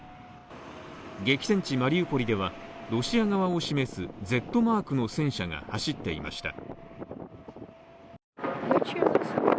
激戦地、マリウポリではロシア側を示すＺマークの戦車が走っていました。